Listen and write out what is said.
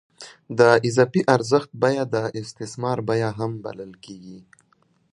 د اضافي ارزښت بیه د استثمار بیه هم بلل کېږي